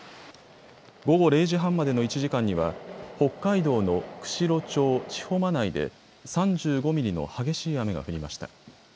午後０時半までの１時間には北海道の釧路町知方学で３５ミリの激しい雨が降りました。